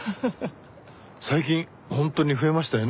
最近本当に増えましたよね。